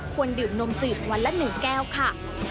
ควรดื่มนมจีบวันละ๑แก้วค่ะ